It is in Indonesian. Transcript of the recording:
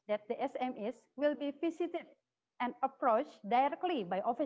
untuk meningkatkan kekuatan pembeli